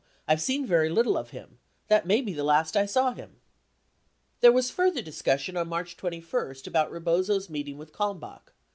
I've seen very little of him. That may be the last I saw him. There was further discussion on March 21, about Rebozo's meet ings with Kalmbach.